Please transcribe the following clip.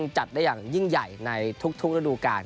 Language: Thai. จัดได้อย่างยิ่งใหญ่ในทุกระดูการ